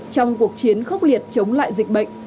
trong cuộc chiến khốc liệt chống lại dịch bệnh